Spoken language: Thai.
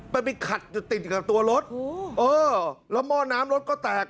แป๊บนี้ขัดจะติดอยู่กับตัวรถแล้วม่อน้ำรถก็แตก